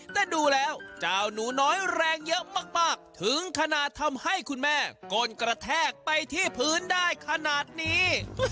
แต่ดูแล้วเจ้าหนูน้อยแรงเยอะมากถึงขนาดทำให้คุณแม่ก้นกระแทกไปที่พื้นได้ขนาดนี้